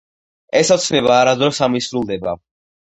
- ეს ოცნება არასოდეს ამისრულდება!